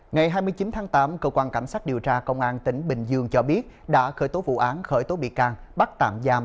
ngày hai mươi chín tháng tám cơ quan cảnh sát điều tra công an tỉnh bình dương cho biết đã khởi tố vụ án khởi tố bị can bắt tạm giam